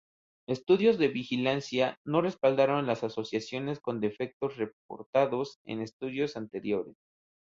Estudios de vigilancia no respaldaron las asociaciones con defectos reportados en estudios anteriores.